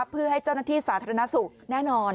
เพื่อให้เจ้าหน้าที่สาธารณสุขแน่นอน